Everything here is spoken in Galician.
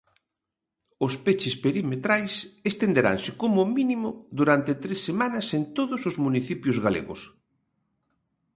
Os peches perimetrais estenderanse, como mínimo, durante tres semanas en todos os municipios galegos.